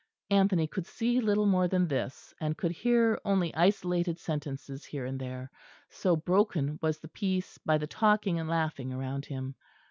Anthony could see little more than this, and could hear only isolated sentences here and there, so broken was the piece by the talking and laughing around him.